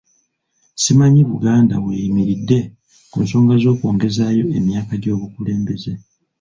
Simanyi Buganda w'eyimiridde ku nsonga z'okwongezaayo emyaka gy'omukulembeze.